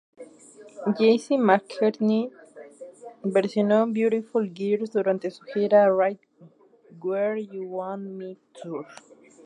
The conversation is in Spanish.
Jesse McCartney versionó Beautiful Girls durante su gira Right Where You Want Me tour.